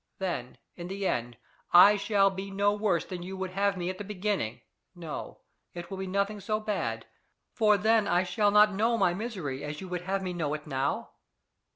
Then in the end I shall be no worse than you would have me at the beginning no, it will be nothing so bad, for then I shall not know my misery as you would have me know it now.